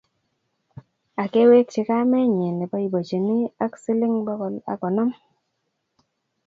Akewekchi kamenyi neboiboichini ak siling bogol ak konom